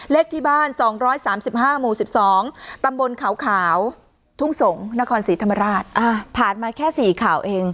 เลขที่บ้าน๒๓๕หมู่๑๒ตำบลขาวทุ่งสงศ์นครศรีธรรมราชผ่านมาแค่๔ข่าวเอง